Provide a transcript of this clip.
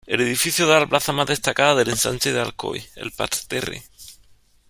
El edificio da a la plaza más destacada del ensanche de Alcoy, "el Parterre".